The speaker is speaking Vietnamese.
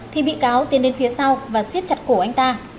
thì bị cáo tiến đến phía sau và xiết chặt cổ anh ta